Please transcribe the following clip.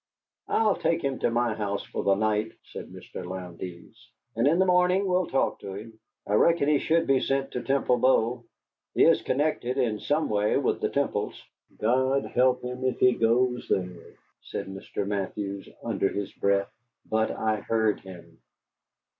"I'll take him to my house for the night," said Mr. Lowndes, "and in the morning we'll talk to him. I reckon he should be sent to Temple Bow. He is connected in some way with the Temples." "God help him if he goes there," said Mr. Mathews, under his breath. But I heard him.